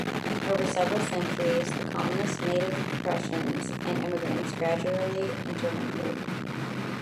Over several centuries the colonists, native Prussians and immigrants gradually intermingled.